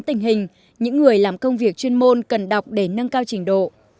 bất luận tình hình những người làm công việc chuyên môn cần đọc để nâng cao trình độ